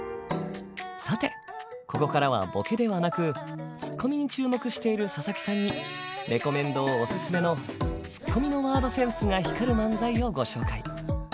さてここからはボケではなくツッコミに注目している佐々木さんにれこめん堂オススメのツッコミのワードセンスが光る漫才をご紹介。